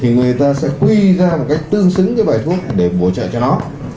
khi người ta quy ra cái tương xứng với bài thuốc để bổ trợ cho nó